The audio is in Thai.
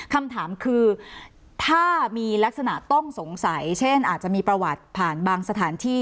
คำถามคือถ้ามีลักษณะต้องสงสัยเช่นอาจจะมีประวัติผ่านบางสถานที่